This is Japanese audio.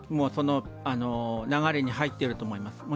その流れに入っていると思います。